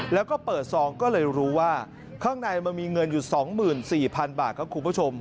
แล้วก็เปิดซองก็เลยรู้ว่าข้างในมันมีเงินอยู่๒๔๐๐๐บาทครับคุณผู้ชม